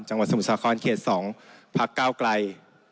จังหวัดสมุทรศาคอนเขต๒พัก๙ไกล